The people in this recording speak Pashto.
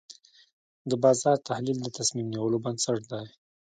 د بازار تحلیل د تصمیم نیولو بنسټ دی.